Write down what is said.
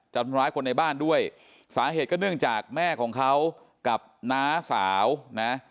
ทำร้ายคนในบ้านด้วยสาเหตุก็เนื่องจากแม่ของเขากับน้าสาวนะ